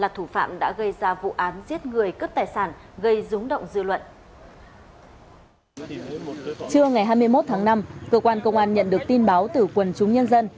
trưa ngày hai mươi một tháng năm cơ quan công an nhận được tin báo từ quần chúng nhân dân